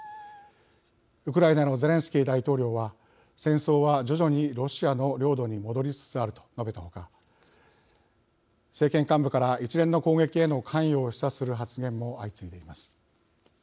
ウクライナのゼレンスキー大統領は戦争は徐々にロシアの領土に戻りつつあると述べた他政権幹部から一連の攻撃への関与を示唆する発言も相次いでいます。